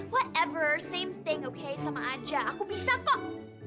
whatever same thing oke sama aja aku bisa kok